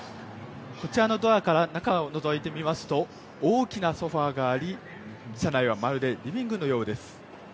こちらから中をのぞいてみますと大きなソファがあり、車内はまるでリビングのようです。